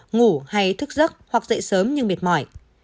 ngủ hay thức giấc hoặc dậy sớm nhưng mệt mỏi